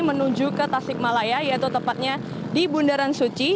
menuju ke tasik malaya yaitu tepatnya di bundaran suci